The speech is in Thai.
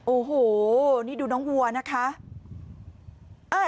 โอ้โหนี่ดูน้องวัวนะคะ